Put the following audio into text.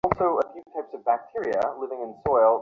কখনও কখনও এটাকে সাধারণ স্মার্ট ফোনের চেয়ে বেশি কিছু মনে হয়।